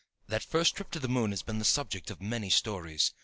] _That first trip to the moon has been the subject of many stories.